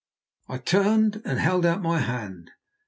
I turned and held out my hand.